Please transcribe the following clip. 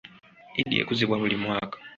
Eid ekuzibwa buli mwaka.